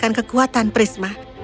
kau bisa menggunakan kucing di waktuku